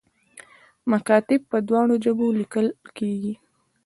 مکاتیب په دواړو ژبو لیکل کیږي